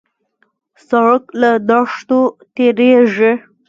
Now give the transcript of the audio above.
سړک له دښتو تېرېږي.